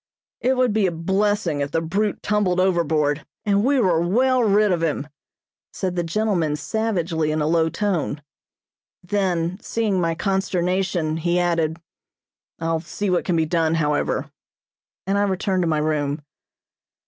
"It would be a blessing if the brute tumbled overboard, and we were well rid of him," said the gentleman savagely in a low tone. Then, seeing my consternation, he added: "I'll see what can be done, however," and I returned to my room.